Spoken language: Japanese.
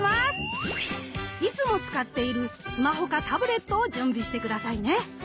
いつも使っているスマホかタブレットを準備して下さいね。